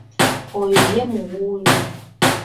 Oyo ye muwuulu.